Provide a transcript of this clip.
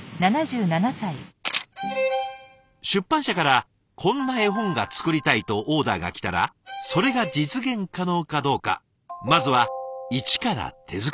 出版社からこんな絵本が作りたいとオーダーが来たらそれが実現可能かどうかまずは一から手作り。